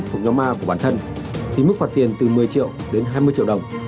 thuộc nhóm ma của bản thân thì mức phạt tiền từ một mươi triệu đến hai mươi triệu đồng